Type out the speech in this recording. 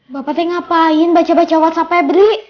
bapak teh ngapain baca whatsapp pebri